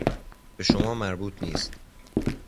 به شما مربوط نیست.